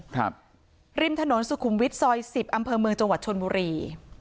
ครับริมถนนสุขุมวิทย์ซอยสิบอำเภอเมืองจังหวัดชนบุรี